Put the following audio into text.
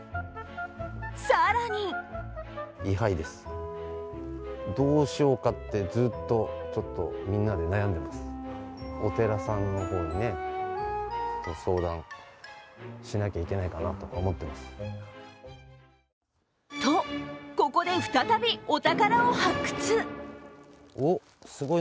更にと、ここで再びお宝を発掘。